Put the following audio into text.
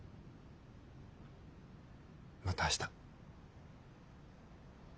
また明日。